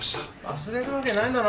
忘れるわけないだろ。